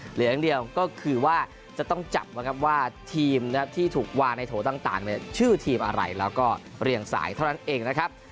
เหลืออย่างเดียวก็คือว่าจะต้องจับนะครับว่าทีมนะครับที่ถูกวางในโถต่างชื่อทีมอะไรแล้วก็เรียงสายเท่านั้นเองนะครับ